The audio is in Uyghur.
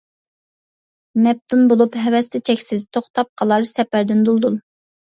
مەپتۇن بولۇپ ھەۋەستە چەكسىز، توختاپ قالار سەپەردىن دۇلدۇل.